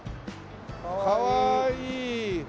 かわいい。